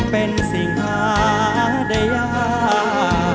เป็นสิ่งหาได้ยาก